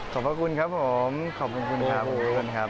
ขอบคุณครับผมขอบคุณครับ